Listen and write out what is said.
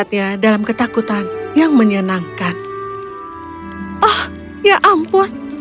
terus hunter mulai menunggumu